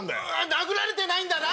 殴られてないんだな。